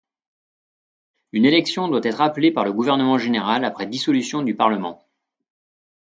Une élection doit être appelée par le gouverneur général après dissolution du Parlement.